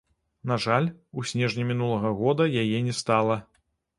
На жаль, у снежні мінулага года яе не стала.